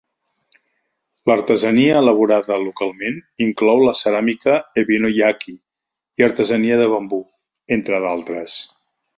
L'artesania elaborada localment inclou la ceràmica Ebino-yaki i artesania de bambú, entre d'altres.